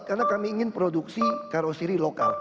karena kami ingin produksi karosiri lokal